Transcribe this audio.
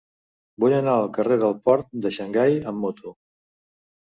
Vull anar al carrer del Port de Xangai amb moto.